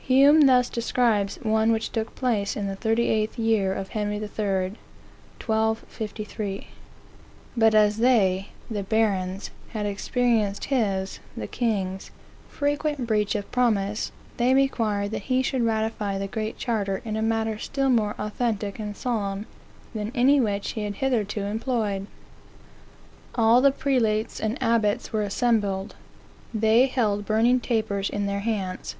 Hume thus describes one which took place in the 38th year of Henry III. (1253): " But as they (the barons) had experienced his (the king's) frequent breach of promise, they required that he should ratify the Great Charter in a manner still more authentic and solemn than any which he had hitherto employed. All the prelates and abbots were assembled. They held burning tapers in their hands.